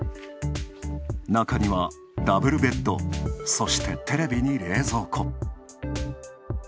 中にはダブルベッド、そしてテレビに冷蔵庫。